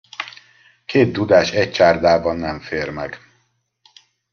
Két dudás egy csárdában nem fér meg.